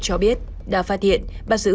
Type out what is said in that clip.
cho biết đã phát hiện bắt giữ